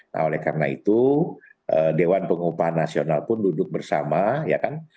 nah oleh karena itu dewan pengupahan nasional pun duduk bersama ya kan